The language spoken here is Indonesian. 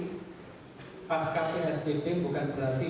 dan antara lain adalah kita melihat bagaimana pendoman who transisi pasca restriksi